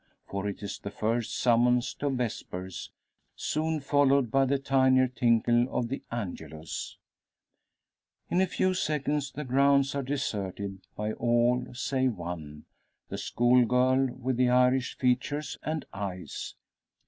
For it is the first summons to vespers, soon followed by the tinier tinkle of the angelus. In a few seconds the grounds are deserted by all save one the schoolgirl with the Irish features and eyes.